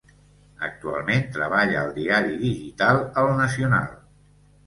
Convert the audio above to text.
Actualment treballa al diari digital El Nacional.